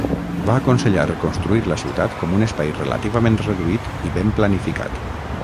Va aconsellar reconstruir la ciutat com un espai relativament reduït i ben planificat.